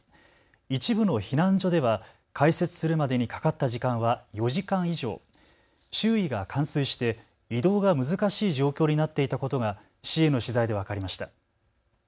一部の避難所では開設するまでにかかった時間は４時間以上、周囲が冠水して移動が難しい状況になっていたことが市への取材で分かりました。